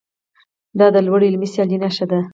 دا د لوړې علمي سیالۍ نښه ده.